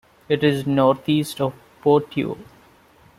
It is northeast of Poteau.